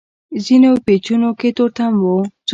ځينو پېچونو کې تورتم و.